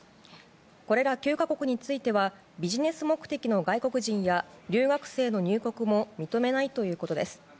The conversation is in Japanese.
これら９か国についてはビジネス目的の外国人や留学生の入国も認めないということです。